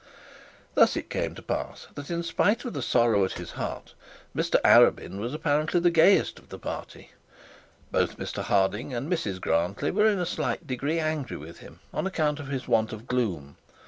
Thus it came to pass that in spite of the sorrow at his heart, Mr Arabin was apparently the gayest of the party. Both Mr Harding and Mrs Grantly were in a slight degree angry with him on account of his want of gloom.